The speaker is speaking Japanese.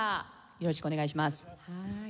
よろしくお願いします。